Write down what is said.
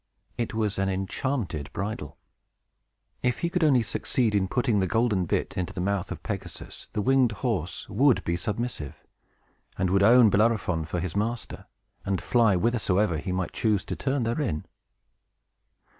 It was an enchanted bridle. If he could only succeed in putting the golden bit into the mouth of Pegasus, the winged horse would be submissive, and would own Bellerophon for his master, and fly whithersoever he might choose to turn therein.